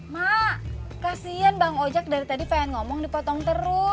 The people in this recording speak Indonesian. ma kasihan bang ojak dari tadi fain ngomong dipotong terus